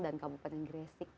dan kabupaten gresik